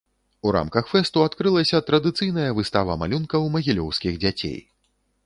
У рамках фэсту адкрылася традыцыйная выстава малюнкаў магілёўскіх дзяцей.